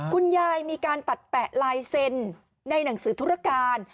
คุณยายมีการตัดแปะลายเซ็นในหนังสือธุรการ